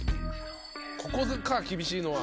ここか厳しいのは。